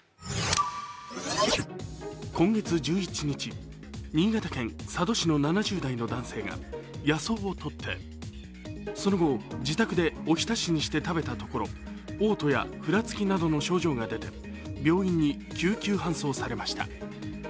今月１１日、新潟県佐渡市の７０代の男性が野草をとってその後、自宅でおひたしにして食べたところおう吐や、ふらつきなどの症状が出て、病院に救急搬送されました。